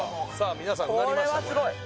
皆さんうなりました